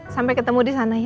sampai ketemu disana ya